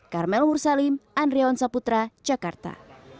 karmel mursalim andriawan saputra jakarta